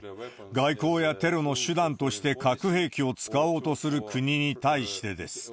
外交やテロの手段として核兵器を使おうとする国に対してです。